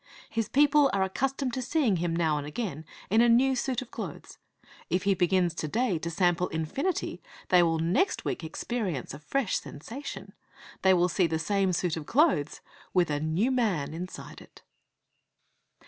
His people are accustomed to seeing him every now and again in a new suit of clothes. If he begins to day to sample infinity, they will next week experience a fresh sensation. They will see the same suit of clothes with a new man inside it.